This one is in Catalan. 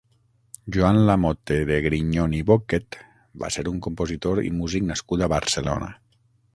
Joan Lamote de Grignon i Bocquet va ser un compositor i músic nascut a Barcelona.